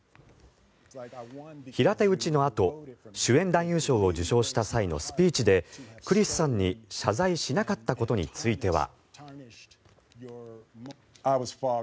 平手打ちのあと、主演男優賞を受賞した際のスピーチでクリスさんに謝罪しなかったことについては。